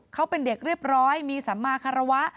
เขาเป็นเด็กเรียบร้อยมีสัมมาคารวะ